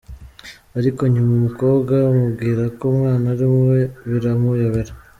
Ariko nyuma umukobwa amubwira ko umwana ari uwe biramuyobera.